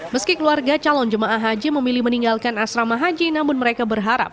meski keluarga calon jemaah haji memilih meninggalkan asrama haji namun mereka berharap